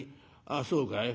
「ああそうかい。